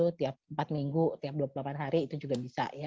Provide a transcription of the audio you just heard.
setiap empat minggu setiap dua puluh delapan hari itu juga bisa